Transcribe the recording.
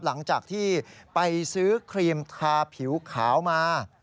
หลังจากที่ไปซื้อครีมทาผิวขาวมา